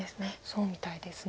そうみたいです。